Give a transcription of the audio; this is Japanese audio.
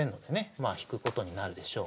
まあ引くことになるでしょう。